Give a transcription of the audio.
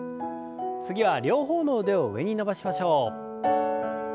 次は両方の腕を上に伸ばしましょう。